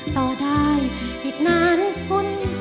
ท่านอยู่ต่อได้อีกนานคุณ